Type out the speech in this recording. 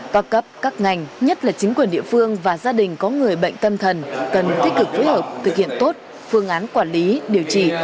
các cấp các ngành nhất là chính quyền địa phương và gia đình có người bệnh tâm thần cần tích cực phối hợp thực hiện tốt phương án quản lý điều trị